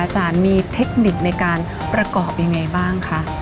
อาจารย์มีเทคนิคในการประกอบยังไงบ้างคะ